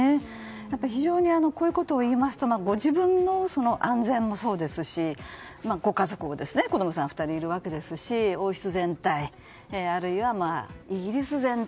やっぱり非常にこういうことを言いますとご自分の安全もそうですしご家族子供さん２人いるわけですし王室全体あるいはイギリス全体